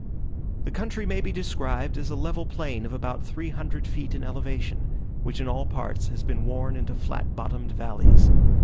The country may be described as a level plain of about three hundred feet in elevation, which in all parts has been worn into flat bottomed valleys.